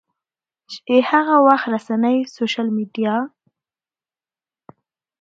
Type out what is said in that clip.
چې هغه وخت رسنۍ، سوشل میډیا